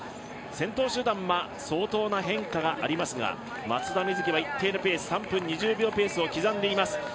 先頭集団は、相当な変化がありますが、松田瑞生は一定のペース３分２０秒ペースを刻んでいます。